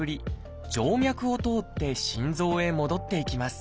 静脈を通って心臓へ戻っていきます。